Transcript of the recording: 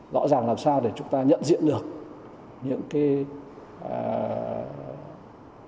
rõ ràng làm sao để chúng ta nhận diện được những cái